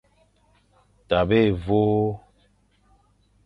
Tabe évÔ.